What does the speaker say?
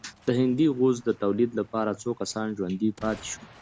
د هندي غوز د تولید لپاره څو کسان ژوندي پاتې شول.